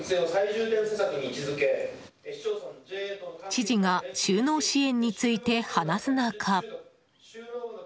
知事が就農支援について話す中。